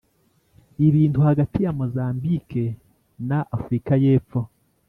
ibintu hagati ya mozambique na afurika y’epfo.